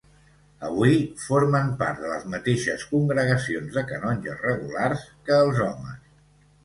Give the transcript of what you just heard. Avui, formen part de les mateixes congregacions de canonges regulars que els homes.